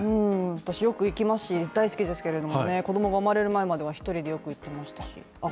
私、よく行きますし、大好きですけれどもね子供が生まれる前では１人でよく行っていました。